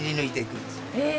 へえ！